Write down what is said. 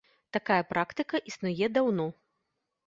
Такая практыка існуе даўно.